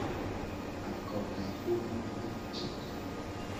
Akodaxomavi.